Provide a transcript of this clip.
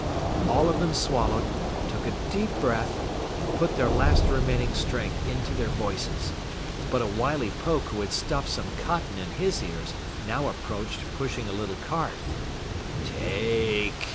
All of them swallowed, took a deep breath, and put their last remaining strength into their voices. But a wily Poke who had stuffed some cotton in his ears now approached pushing a little cart. "Take